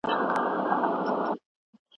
موږ یو ځای یو.